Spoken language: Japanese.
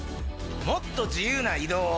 もっと自由な移動を。